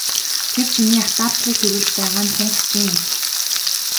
Тэр чиний атаархлыг төрүүлж байгаа нь тун хачин юм.